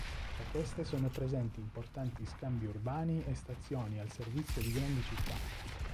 Tra queste sono presenti importanti scambi urbani e stazioni al servizio di grandi città.